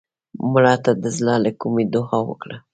مړه ته د زړه له کومې دعا وکړه